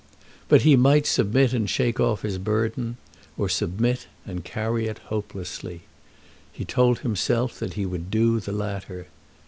But he might submit and shake off his burden, or submit and carry it hopelessly. He told himself that he would do the latter.